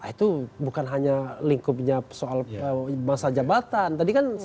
itu bukan hanya lingkupnya soal masa jabatan